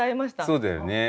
そうだよね。